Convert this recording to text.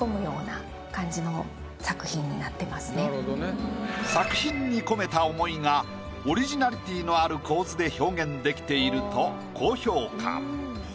後ろの作品に込めた想いがオリジナリティーのある構図で表現できていると高評価。